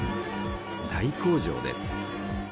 大工場です。